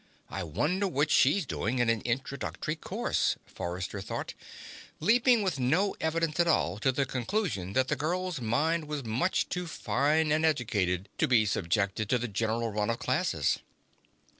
I wonder what she's doing in an Introductory course, Forrester thought, leaping with no evidence at all to the conclusion that the girl's mind was much too fine and educated to be subjected to the general run of classes.